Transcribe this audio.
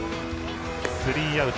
スリーアウト。